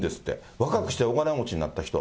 若くしてお金持ちになった人。